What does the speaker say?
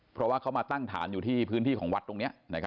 เพราะว่าเขามาตั้งฐานอยู่ที่พื้นที่ของวัดตรงนี้